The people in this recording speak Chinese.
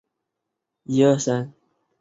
埃里克王朝的瑞典国王。